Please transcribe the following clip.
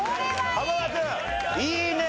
濱田君いいね。